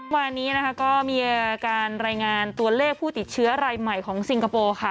วันนี้นะคะก็มีการรายงานตัวเลขผู้ติดเชื้อรายใหม่ของซิงคโปร์ค่ะ